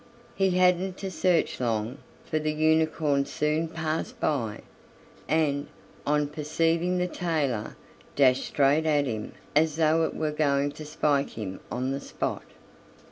He hadn't to search long, for the unicorn soon passed by, and, on perceiving the tailor, dashed straight at him as though it were going to spike him on the spot.